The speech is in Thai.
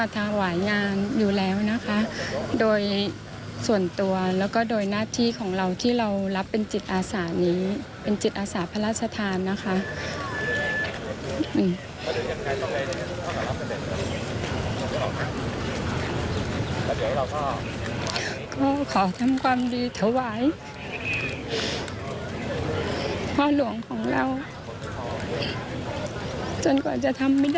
เพราะหลวงของเราจนกว่าจะทำไม่ได้นะคะ